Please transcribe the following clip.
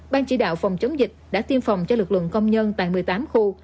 ban chỉ đạo phòng chống dịch đã tiêm phòng cho lực lượng công nhân tại một mươi tám khu